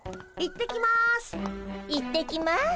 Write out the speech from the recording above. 行ってきます。